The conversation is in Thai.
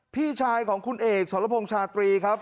พี่ชายของคุณเอกสรพงษ์ชาตรีครับ